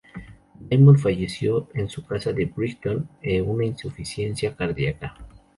Diamond falleció en su casa de Brighton de una insuficiencia cardíaca.